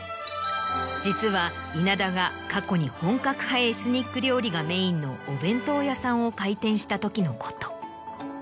実は稲田が過去に本格派エスニック料理がメインのお弁当屋さんを開店したときのこと。